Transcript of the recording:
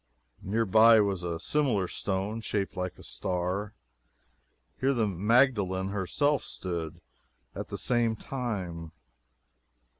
Near by was a similar stone, shaped like a star here the Magdalen herself stood, at the same time.